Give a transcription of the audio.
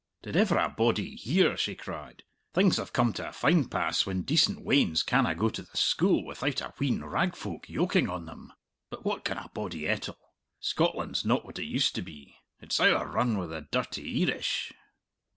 "Did ever a body hear?" she cried. "Things have come to a fine pass when decent weans canna go to the school without a wheen rag folk yoking on them! But what can a body ettle? Scotland's not what it used to be! It's owrerun wi' the dirty Eerish!"